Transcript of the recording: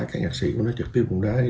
các nhạc sĩ cũng nói trực tiếp về bóng đá